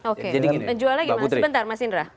oke menjual lagi mas sebentar mas indra